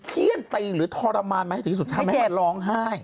เขี้ยนตีหรือทรมานมาให้ถึงสุดท้ายไหมมันร้องไห้